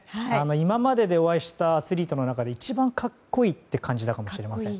今まででお会いしたアスリートの中で一番格好いいと感じたかもしれません。